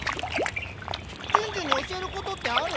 ジュンジュンに教えることってある？